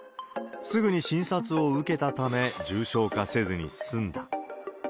すぐに診察を受けたため、重症化せずに済んだ。